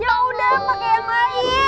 ya udah pake yang lain